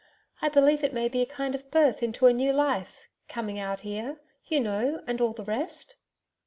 I believe it may be a kind of birth into a new life coming out here you know and all the rest.'